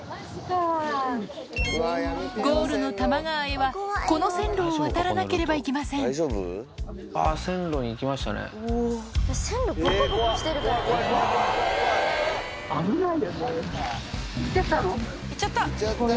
ゴールの多摩川へはこの線路を渡らなければいけません怖っ怖い怖い怖い。